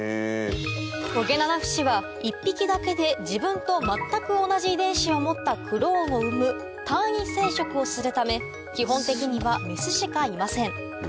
トゲナナフシは１匹だけで自分と全く同じ遺伝子を持ったクローンを産む単為生殖をするため基本的にはメスしかいません